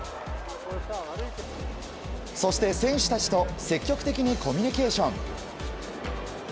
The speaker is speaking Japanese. そして、選手たちと積極的にコミュニケーション。